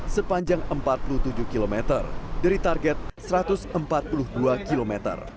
sepanjang empat puluh tujuh km dari target satu ratus empat puluh dua km